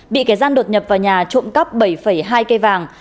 bị kẻ gian đột nhập vào nhà trộm cắp bảy hai cây vàng